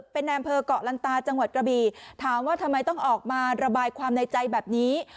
เป็นนายอำเภอกเกาะลันตาจังหวัดกระบีถามว่าทำไมต้องออกมาระบายความในใจแบบนี้